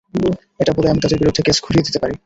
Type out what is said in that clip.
এটা বলে আমি তোমার বিরুদ্ধে কেস ঘুরিয়ে দিতে পারি।